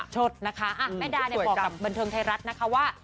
ชดนะคะอ่ะแม่ดาเนี่ยบอกกับบรรเทิงไทยรัฐนะคะว่า